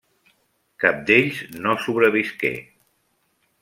Cap d'ells no sobrevisqué.